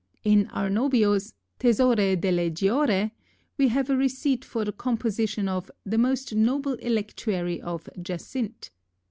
In Arnobio's "Tesoro delle Gioie," we have a receipt for the composition of "the most noble electuary of jacinth."